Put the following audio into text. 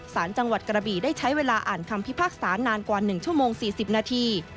สารจังหวัดกระบีได้ใช้เวลาอ่านคำพิพากษานานกว่า๑ชั่วโมง๔๐นาที